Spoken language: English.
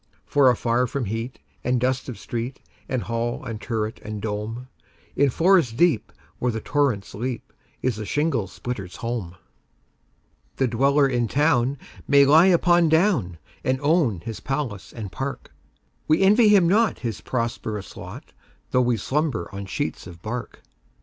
For afar from heat and dust of street, And hall and turret, and dome, In forest deep, where the torrents leap, Is the shingle splitter's home. The dweller in town may lie upon down, And own his palace and park:We envy him not his prosperous lot, Though we slumber on sheets of bark.